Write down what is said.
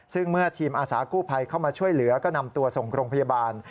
ซึ่งเมื่อทีมอาสากู้ภัยเข้ามาช่วยเหลือก็นำตัวส่งโรงพยาบาล